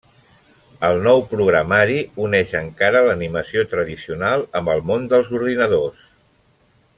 El nou programari uneix encara l'animació tradicional amb el món dels ordinadors.